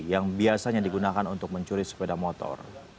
yang biasanya digunakan untuk mencuri sepeda motor